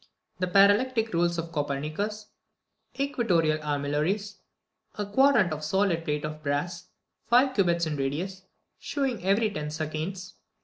13. The parallactic rules of Copernicus. 14. Equatorial armillaries. 15. A quadrant of a solid plate of brass, five cubits in radius, shewing every ten seconds.